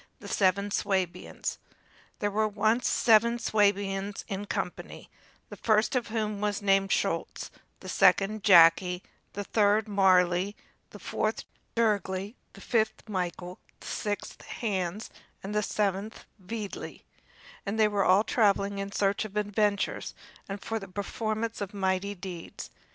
The Seven Swabians There were once seven Swabians in company, the first of whom was named Schulz, the second Jacky, the third Marli, the fourth Jergli, the fifth Michael, the sixth Hans, and the seventh Veitli; and they all were traveling in search of adventures, and for the performance of mighty deeds.